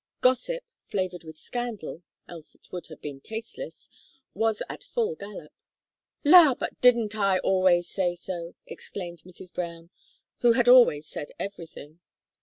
Gossip, flavoured with scandal else it would have been tasteless was at full galop. "La! but didn't I always say so?" exclaimed Mrs. Brown, who had always said everything.